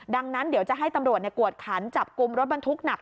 ดังนั้นเดี๋ยวจะให้ตำรวจกวดขันจับกลุ่มรถบรรทุกหนัก